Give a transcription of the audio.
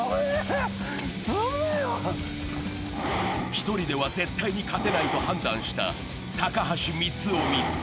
１人では絶対に勝てないと判断した高橋光臣。